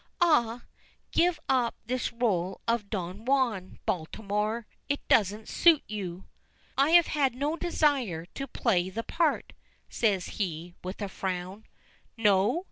Ah! give up this role of Don Juan, Baltimore. It doesn't suit you." "I have had no desire to play the part," says he, with a frown. "No?